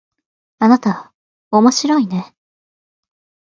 あなたおもしろいね